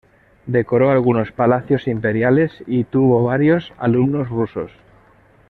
Decoró algunos palacios imperiales y tuvo varios alumnos rusos.